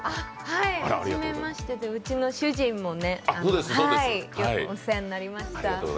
はい、初めましてで、うちの主人もよくお世話になりました。